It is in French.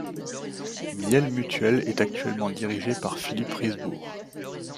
Miel mutuelle est actuellement dirigée par Philippe Risbourg.